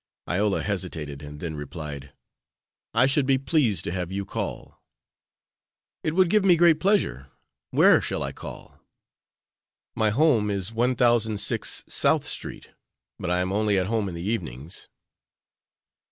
Iola hesitated, and then replied: "I should be pleased to have you call." "It would give me great pleasure. Where shall I call?" "My home is 1006 South Street, but I am only at home in the evenings."